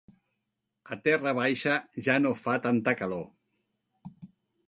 A Terra baixa ja no fa tanta calor.